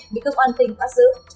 bị cơ quan tỉnh phá xứ